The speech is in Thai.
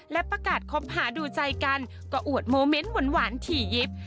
และประกาศคบหาดูใจกันก็อวดโมเมนต์หวานถี่ยิบ